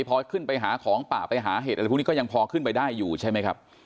พอขึ้นไปหาของป่าไปหาเห็ดอะไรพวกนี้ก็ยังพอขึ้นไปได้อยู่ใช่ไหมครับ